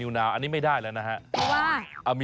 พวกเราคนชอบหวย